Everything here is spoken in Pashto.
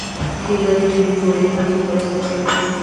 کېله د وینې جوړېدو کې مرسته کوي.